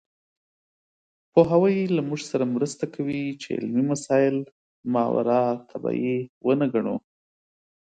پوهاوی له موږ سره مرسته کوي چې علمي مسایل ماورالطبیعي ونه ګڼو.